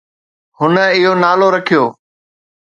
هن اهو نالو رکيو